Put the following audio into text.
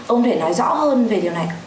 ông thể nói rõ hơn về điều này